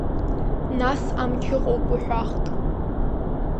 Нас амч ыҟоуп уҳәахт…